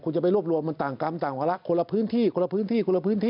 คุณจะไปรวบรวมมันต่างกรรมต่างภาระคนละพื้นที่คนละพื้นที่